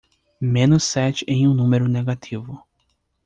Menos sete em um número negativo.